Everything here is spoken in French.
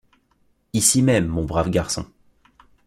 Ici même, mon brave garçon!